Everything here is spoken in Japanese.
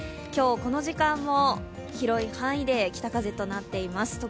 今日、この時間も広い範囲で北風となっています。